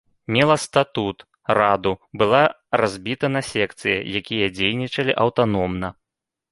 Мела статут, раду, была разбіта на секцыі, якія дзейнічалі аўтаномна.